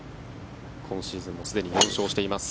今シーズンもすでに４勝しています。